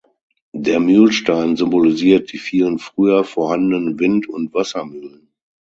Der Mühlstein symbolisiert die vielen früher vorhandenen Wind- und Wassermühlen.